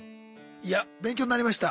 いや勉強になりました。